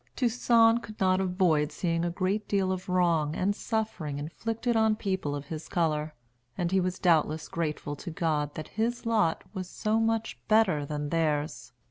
Toussaint could not avoid seeing a great deal of wrong and suffering inflicted on people of his color, and he was doubtless grateful to God that his lot was so much better than theirs.